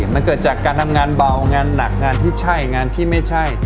มันเกิดจากการทำงานเบางานหนักงานที่ใช่งานที่ไม่ใช่